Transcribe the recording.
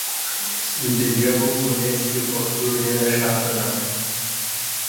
د ژبو په لېسټ کې پښتو ډېره شاته ده .